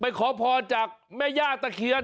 ไม่ขอพอจากแม่ย่าตะเขียน